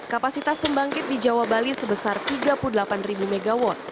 kapasitas pembangkit di jawa bali sebesar tiga puluh delapan mw